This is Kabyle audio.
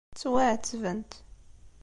Ttwaɛettbent.